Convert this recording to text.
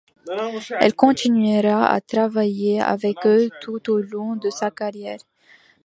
Elle continuera à travailler avec eux tout au long de sa carrière.